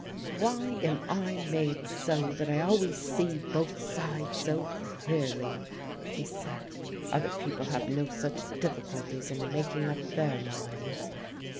"Why am I made so that I always see both sides so clearly?" he said. "Other people have no such difficulties in making up their minds."